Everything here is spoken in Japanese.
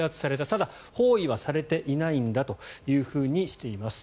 ただ、包囲はされていないんだとしています。